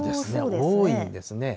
多いんですね。